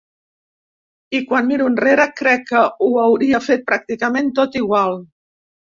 I quan miro enrere crec que ho hauria fet pràcticament tot igual.